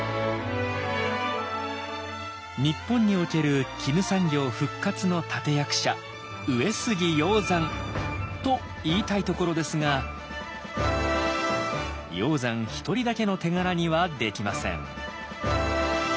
日本における絹産業復活の立て役者上杉鷹山！と言いたいところですが鷹山一人だけの手柄にはできません。